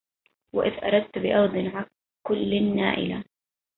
وإذا أردت بأرض عكل نائلا